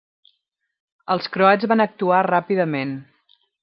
Els croats van actuar ràpidament.